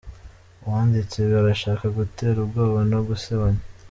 Uwanditse ibi arashaka gutera ubwoba no gusebanya.